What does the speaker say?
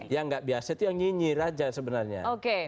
yang nggak biasa itu yang nyinyir aja sebenarnya